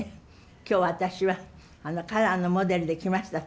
今日私はカラーのモデルで来ましたって。